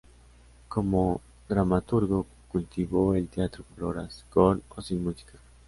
Como dramaturgo cultivó el teatro por horas, con o sin música.